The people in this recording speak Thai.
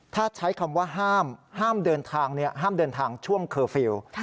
ถ้าใช้คำว่าห้ามเดินทางช่วงเคอร์ฟิล